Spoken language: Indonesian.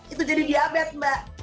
itu jadi diabet mbak